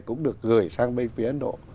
cũng được gửi sang bên phía ấn độ